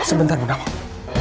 sebentar bu nawang